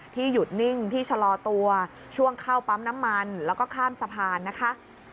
หยุดนิ่งที่ชะลอตัวช่วงเข้าปั๊มน้ำมันแล้วก็ข้ามสะพานนะคะ